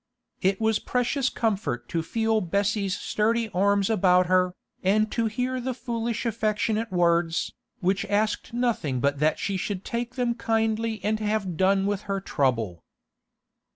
It was precious comfort to feel Bessie's sturdy arms about her, and to hear the foolish affectionate words, which asked nothing but that she should take them kindly and have done with her trouble.